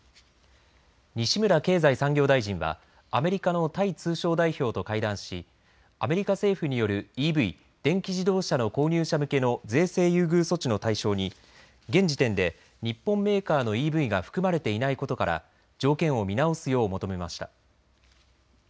西村経済産業大臣はアメリカのタイ通商代表と会談しアメリカ政府によるＥＶ、電気自動車の購入者向けの税制優遇措置の対象に現時点で日本メーカーのＥＶが含まれていないことから条件を見直すよう求めました。